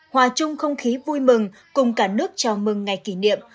hòa chung không khí vui mừng cùng cả nước chào mừng ngày kỷ niệm